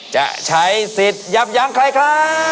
จะใช้สิทธิ์ยับยั้งใครครับ